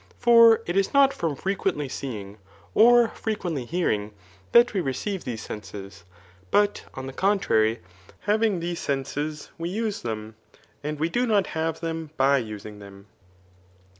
For it is not from frequendy seeing, or frequently hearing, that we recdve these senses, but, on the contrary, having these senses we xise them, and we do not have themby using them.